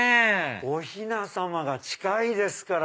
おひなさまが近いですから。